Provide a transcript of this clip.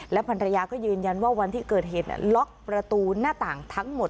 ภรรยาก็ยืนยันว่าวันที่เกิดเหตุล็อกประตูหน้าต่างทั้งหมด